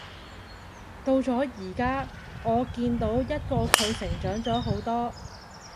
到咗而家，我見到一個佢成長咗好多